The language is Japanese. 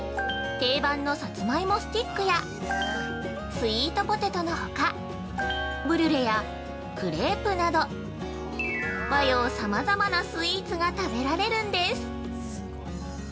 定番のさつまいもスティックやスイートポテトのほかブリュレやクレープなど和洋さまざまなスイーツが食べられるんです。